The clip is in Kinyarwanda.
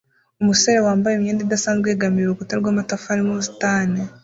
Umusore wambaye imyenda idasanzwe yegamiye urukuta rw'amatafari arimo ubusitani